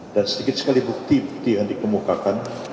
dan sedikit sekali bukti bukti yang dikemukakan